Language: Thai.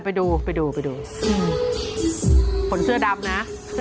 ไปดูไปดูไปดูคนเสื้อดำนะ